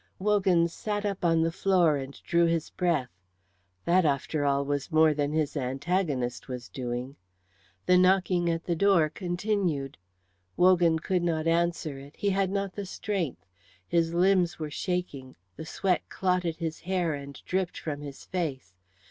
Wogan sat up on the floor and drew his breath. That, after all, was more than his antagonist was doing. The knocking at the door continued; Wogan could not answer it, he had not the strength. His limbs were shaking, the sweat clotted his hair and dripped from his face.